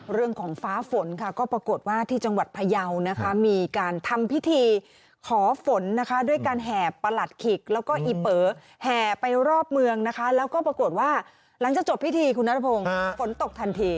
ฟ้าฝนค่ะก็ปรากฏว่าที่จังหวัดพยาวนะคะมีการทำพิธีขอฝนนะคะด้วยการแห่ประหลัดขิกแล้วก็อีเป๋อแห่ไปรอบเมืองนะคะแล้วก็ปรากฏว่าหลังจากจบพิธีคุณนัทพงศ์ฝนตกทันที